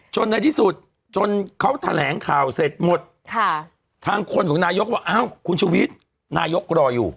ในที่สุดจนเขาแถลงข่าวเสร็จหมดทางคนของนายกว่าอ้าวคุณชุวิตนายกรออยู่